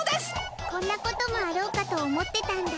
こんなこともあろうかと思ってたんだ。